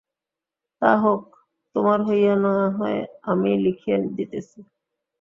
তা হোক, তোমার হইয়া না-হয় আমিই লিখিয়া দিতেছি।